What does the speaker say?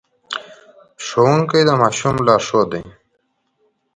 ښوونکي د ماشوم لارښود دي.